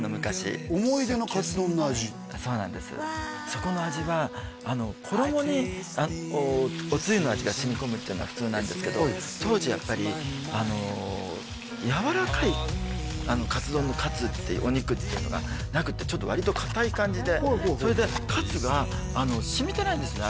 そこの味は衣におつゆの味が染み込むっていうのは普通なんですけど当時やっぱりやわらかいかつ丼のかつお肉っていうのがなくてちょっと割とかたい感じでそれでかつが染みてないんですね